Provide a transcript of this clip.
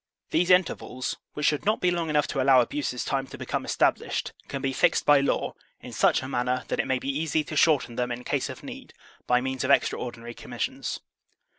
These intervals, which should not be long enough to allow abuses time to become estab lished, can be fixed by law in such a manner that it may be easy to shorten them in case of need by means of ex traordinary commissions.